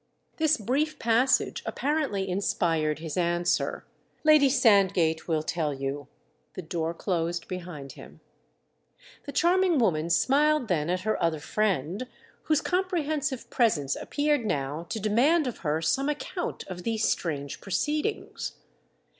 This brief passage apparently inspired his answer. "Lady Sandgate will tell you." The door closed behind him. The charming woman smiled then at her other friend, whose comprehensive presence appeared now to demand of her some account of these strange proceedings.